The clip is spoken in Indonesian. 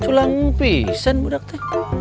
culang pisan budak teh